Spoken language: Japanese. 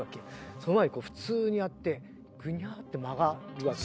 その前で普通にやってグニャッて曲がるわけ。